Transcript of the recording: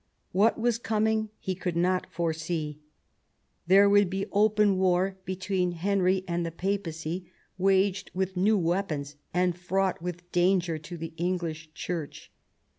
What was coming he could not foresee. There would be open war between Henry and the Papacy, waged with 186 THOMAS WOLSEY chap. new weapons and fraught with danger to the English Church.